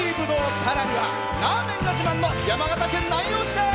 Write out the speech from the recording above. さらにはラーメンが自慢の山形県南陽市です！